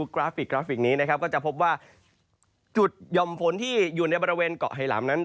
ก็จะพบว่าจุดยอมฝนที่อยู่ในกะไฮหลามนั้น